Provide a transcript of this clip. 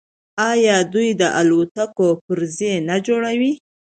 آیا دوی د الوتکو پرزې نه جوړوي؟